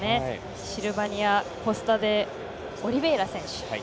シルバニア・コスタデオリベイラ選手。